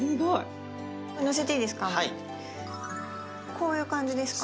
こういう感じですか？